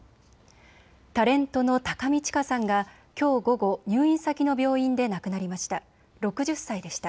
タレントの高見知佳さんがきょう午後、入院先の病院で亡くなりました。